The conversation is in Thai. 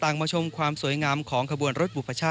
ต่างมาชมความสวยงามของขบรถบุพชาตร